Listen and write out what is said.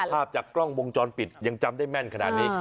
ภาพจากกล้องวงจรปิดยังจำได้แม่นขนาดนี้